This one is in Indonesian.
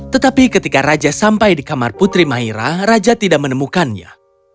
tetapi ketika raja sampai di kamar putri maira raja tidak menemukannya